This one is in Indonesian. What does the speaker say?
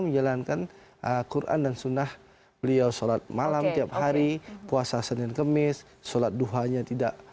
menjalankan al quran dan sunnah beliau sholat malam tiap hari puasa senin kemis sholat duhanya tidak